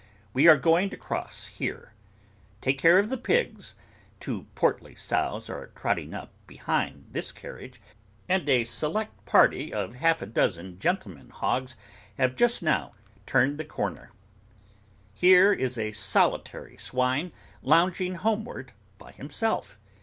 We are going to cross here. Take care of the pigs. Two portly sows are trotting up behind this carriage, and a select party of half a dozen gentlemen hogs have just now turned the corner. Here is a solitary swine lounging homeward by himself.